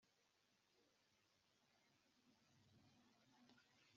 icyo bazahabona kikunezeza cyose bazacyende bakizane”